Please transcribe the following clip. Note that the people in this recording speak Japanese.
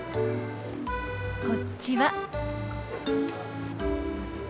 こっちは。